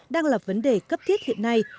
đang là vấn đề cấp thiết hiện nay